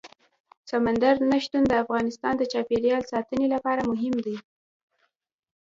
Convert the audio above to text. سمندر نه شتون د افغانستان د چاپیریال ساتنې لپاره مهم دي.